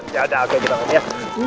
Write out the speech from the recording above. ya udah oke kita main ya